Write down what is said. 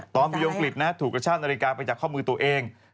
ตอนมีอังกฤษถูกกระชากนาฬิกาไปจากข้อมือตัวเอง